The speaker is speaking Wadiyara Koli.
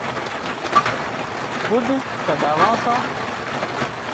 ڳُڏ ڪڍاوان سان